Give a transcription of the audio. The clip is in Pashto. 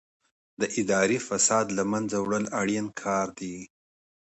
د اداري فساد له منځه وړل اړین کار دی.